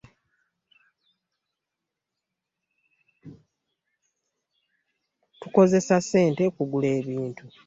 Tukozesa ssente okugula ebintu.